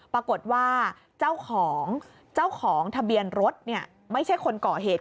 ปรากฏว่าเจ้าของเจ้าของทะเบียนรถไม่ใช่คนก่อเหตุ